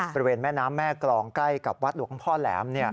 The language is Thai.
บริเวณแม่น้ำแม่กรองใกล้กับวัดหลวงพ่อแหลม